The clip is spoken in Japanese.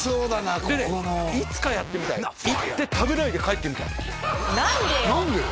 ここのでいつかやってみたい行って食べないで帰ってみたい何でよ？